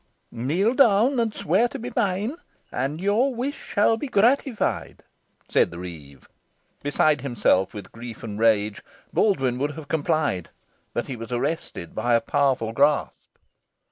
"Kneel down, and swear to be mine, and your wish shall be gratified," said the reeve. Beside himself with grief and rage, Baldwyn would have complied, but he was arrested by a powerful grasp.